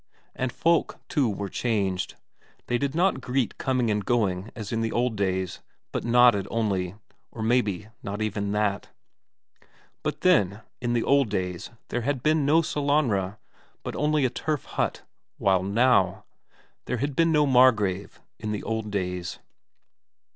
And folk, too, were changed. They did not greet coming and going as in the old days, but nodded only, or maybe not even that. But then in the old days there had been no Sellanraa, but only a turf hut, while now.... There had been no Margrave in the old days.